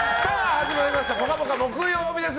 始まりました「ぽかぽか」木曜日です。